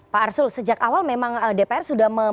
pak arsul sejak awal memang dpr sudah